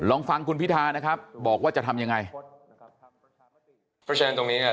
ลองฟังคุณพิธานะครับบอกว่าจะทำยังไงเพราะฉะนั้นตรงนี้เนี่ย